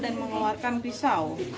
dan mengeluarkan pisau